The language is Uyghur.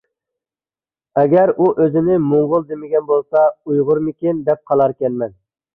ئەگەر ئۇ ئۆزىنى موڭغۇل دېمىگەن بولسا، ئۇيغۇرمىكىن دەپ قالاركەنمەن.